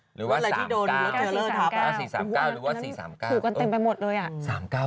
๙๔หรือว่า๔๓๙ถูกกันเต็มไปหมดเลยอะ